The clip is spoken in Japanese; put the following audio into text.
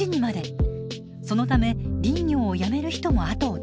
そのため林業をやめる人も後を絶ちません。